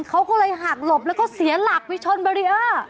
เขาก็เลยหักหลบแล้วก็เสียหลักวิชลมัลเรียอร์